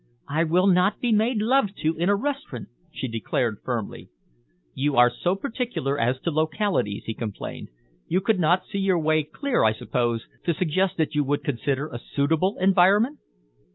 "I will not be made love to in a restaurant," she declared firmly. "You are so particular as to localities," he complained. "You could not see your way clear, I suppose, to suggest what you would consider a suitable environment?"